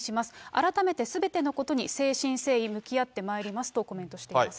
改めてすべてのことに誠心誠意向き合ってまいりますとコメントしています。